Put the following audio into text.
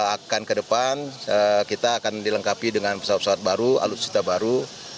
akan ke depan kita akan dilengkapi dengan pesawat pesawat baru alutsista baru